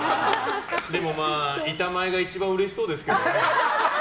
でもまあ、板前が一番うれしそうですけどね。